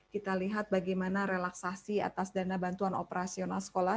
kita lihat bagaimana relaksasi atas dana bantuan operasional sekolah